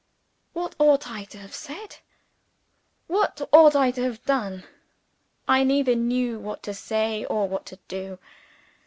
What ought I to have said? What ought I to have done? I neither knew what to say or what to do.